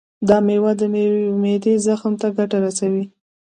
دا میوه د معدې زخم ته ګټه رسوي.